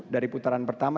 dari putaran pertama